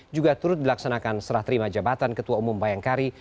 juga turut dilaksanakan serah terima jabatan ketua umum bayangkari